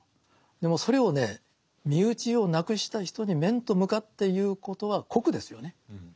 でもそれをね身内を亡くした人に面と向かって言うことは酷ですよね。